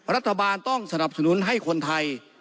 รัฐบาลต้องสนับสนุนให้คนไทย